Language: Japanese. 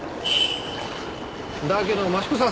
だけど益子さん